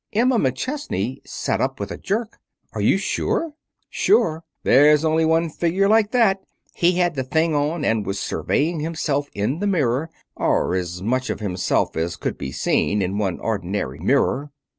Emma McChesney sat up with a jerk. "Are you sure?" "Sure? There's only one figure like that. He had the thing on and was surveying himself in the mirror or as much of himself as could be seen in one ordinary mirror.